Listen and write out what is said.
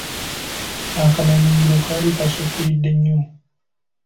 Akamanyiiro kaali kasukkiridde nnyo.